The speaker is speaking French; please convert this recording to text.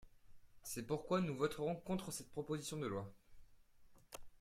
C’est pourquoi nous voterons contre cette proposition de loi.